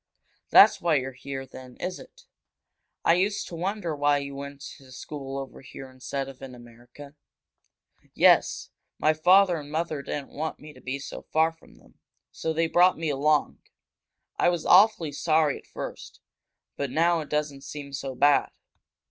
"That's why you're here, then, is it? I used to wonder why you went to school over here instead of in America." "Yes. My father and mother didn't want me to be so far from them. So they brought me along. I was awfully sorry at first, but now it doesn't seem so bad."